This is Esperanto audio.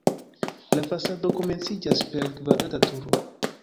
La fasado komenciĝas per kvadrata turo.